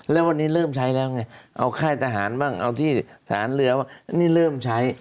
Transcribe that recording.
แล้ววันนี้เริ่มใช้แล้วไงเอาค่ายทหารบ้างเอาที่ฐานเรือว่านี่เริ่มใช้